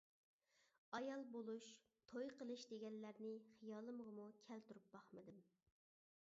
ئايال بولۇش، توي قىلىش، دېگەنلەرنى خىيالىمغىمۇ كەلتۈرۈپ باقمىدىم.